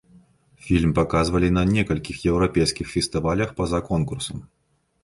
Фільм паказвалі на некалькіх еўрапейскіх фестывалях па-за конкурсам.